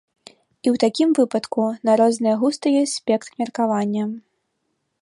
І ў такім выпадку на розныя густы ёсць спектр меркавання.